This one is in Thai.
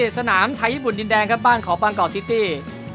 สนามไทยญี่ปุ่นดินแดงบ้านของปังเกาะซิตี้